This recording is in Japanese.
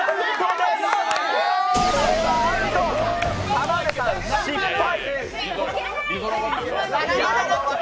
田辺さん、失格。